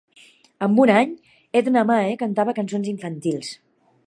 Amb un any, Edna Mae cantava cançons infantils.